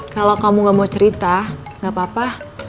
kalau kamu enggak mau cerita enggak apa apa